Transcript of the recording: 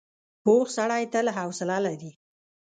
پوخ سړی تل حوصله لري